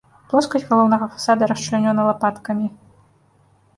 Плоскасць галоўнага фасада расчлянёна лапаткамі.